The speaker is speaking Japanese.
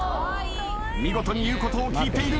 見事に言うことを聞いている。